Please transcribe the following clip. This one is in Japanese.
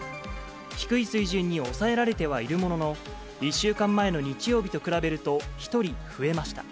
低い水準に抑えられてはいるものの、１週間前の日曜日と比べると、１人増えました。